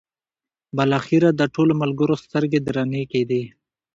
بالاخره د ټولو ملګرو سترګې درنې کېدې.